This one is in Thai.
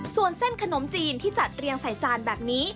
ส่วนเส้นขนมจีนที่จัดเรียงใส่จานแบบนี้